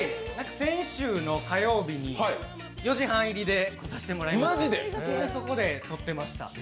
先週火曜日に、４時半入りで来させていただきましてそこで撮ってました。